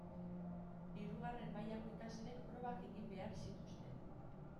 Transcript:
Hirugarren mailako ikasleek probak egin behar zituzten.